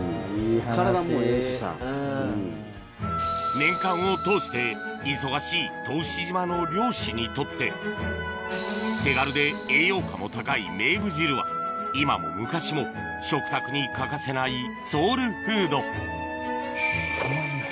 年間を通して忙しい答志島の漁師にとって手軽で栄養価も高いめーぶ汁は今も昔も食卓に欠かせないソウルフード止まんない。